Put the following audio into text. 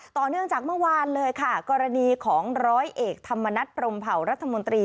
ต่อเนื่องจากเมื่อวานเลยค่ะกรณีของร้อยเอกธรรมนัฐพรมเผารัฐมนตรี